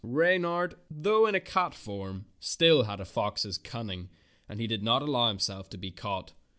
But Reynard, though a cat in form, still had a fox's cun ning, and he did not allow himself to be caught.